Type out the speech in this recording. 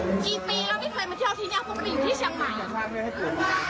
คือไม่เข้าใจว่านี่เป็นกิจยาของพวกที่เย็นหนังสือหรือเปล่านะ